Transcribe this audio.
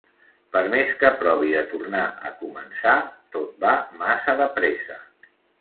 Per més que provi de tornar a començar tot va massa de pressa.